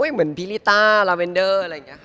เหมือนพิริตาลาเวนเดอร์อะไรอย่างนี้